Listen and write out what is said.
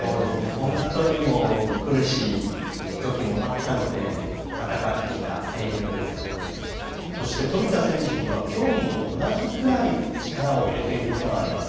本当に苦しいときもあったのでそして富田選手には競技と同じぐらい力を入れていることがあります。